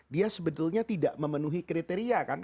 dia sebetulnya tidak memenuhi kriteria kan